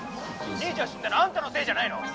「兄ちゃん死んだのあんたのせいじゃないの？」